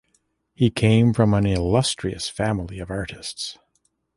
He came from an illustrious family of artists.